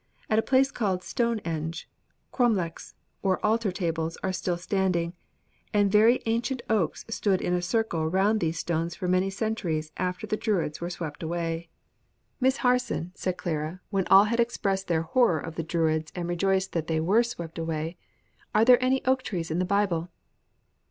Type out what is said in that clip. At a place called Stonehenge, 'cromlechs,' or altar tables, are still standing, and very ancient oaks stood in a circle round these stones for many centuries after the Druids were swept away." "Miss Harson," said Clara when all had expressed their horror of the Druids and rejoiced that they were swept away, "are there any oak trees in the Bible?"